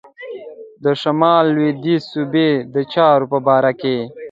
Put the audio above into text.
شمال لوېدیځي صوبې د چارو په باره کې.